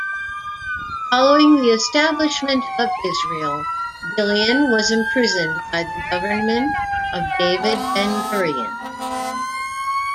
Following the establishment of Israel, Ghilan was imprisoned by the government of David Ben-Gurion.